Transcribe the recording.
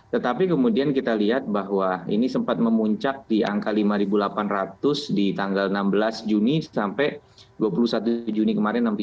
tetapi kemudian kita lihat bahwa ini sempat memuncak di angka lima delapan ratus di tanggal enam belas juni sampai dua puluh satu juni kemarin